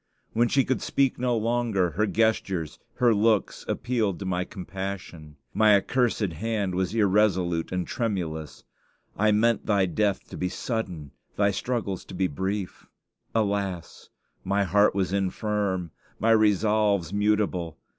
When she could speak no longer, her gestures, her looks appealed to my compassion. My accursed hand was irresolute and tremulous. I meant thy death to be sudden, thy struggles to be brief. Alas! my heart was infirm, my resolves mutable.